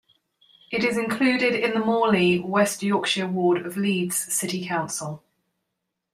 It is included in the Morley, West Yorkshire ward of Leeds City Council.